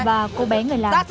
bà cô bé người làng